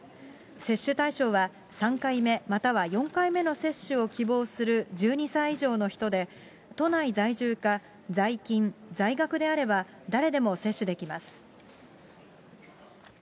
接種対象は、３回目、または４回目の接種を希望する１２歳以上の人で、都内在住か在勤、在学であれば、誰でも接種できます。